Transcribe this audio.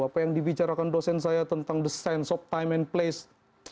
apa yang dibicarakan dosen saya tentang the sense of time and place